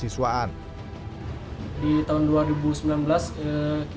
dan kemudian dianggap sebagai mahasiswaan